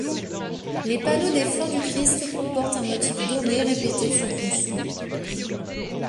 Les panneaux des flancs du Christ comportent un motif doré répété sur fond sombre.